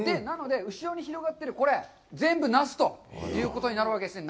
後ろに広がっているこれ、全部、ナスということになるわけですね。